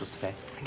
はい。